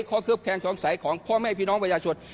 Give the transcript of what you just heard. ข้อเคลือบแค้นสงสัยของพ่อแม่พี่น้องพญาชน